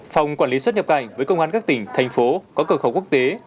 phòng quản lý xuất nhập cảnh với công an các tỉnh thành phố có cờ khẩu quốc tế